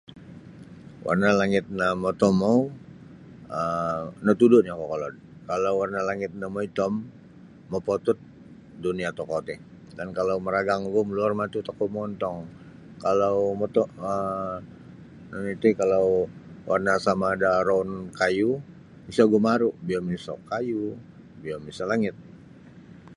Warna langit no motomou um natudu' nio kokolod kalau warna langit no moitom mopotut dunia tokou ti dan kalau maragang ogu moluor matu tokou mongontong kalau moto um nunu iti kalau warna sama da roun kayu isa' ogu maru' biyo miso kayu biyo miso langit.